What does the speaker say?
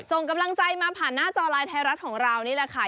ส่งกำลังใจมาผ่านหน้าจอไลน์ไทยรัฐของเรานี่แหละค่ะ